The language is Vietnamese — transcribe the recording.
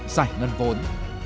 giải ngân vốn